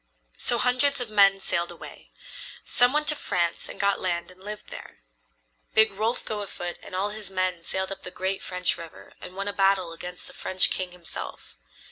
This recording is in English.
So hundreds of men sailed away. Some went to France and got land and lived there. Big Rolf go afoot and all his men sailed up the great French River and won a battle against the French king himself.